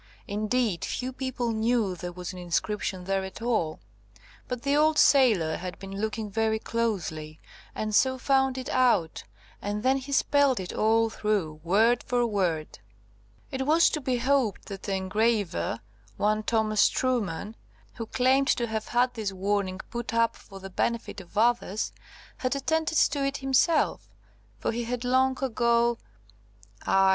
Indeed, few people knew there was an inscription there at all; but the old sailor had been looking very closely, and so found it out, and then he spelt it all through, word for word. It was to be hoped that the engraver (one Thomas Trueman), who claimed to have had this warning put up for the benefit of others, had attended to it himself, for he had long ago–aye!